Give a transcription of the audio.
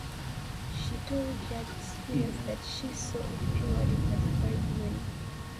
She told Judge Squires that she "saw it purely as bribe money".